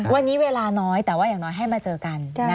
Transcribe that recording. วันนี้เวลาน้อยแต่ว่าอย่างน้อยให้มาเจอกัน